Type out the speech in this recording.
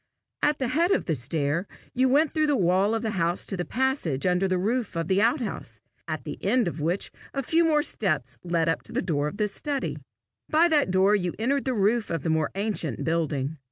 At the head of the stair you went through the wall of the house to the passage under the roof of the out house, at the end of which a few more steps led up to the door of the study. By that door you entered the roof of the more ancient building.